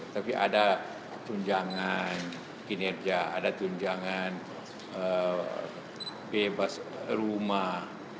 tapi ada tunjangan kinerja ada tunjangan bebas rumah